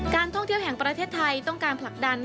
ท่องเที่ยวแห่งประเทศไทยต้องการผลักดัน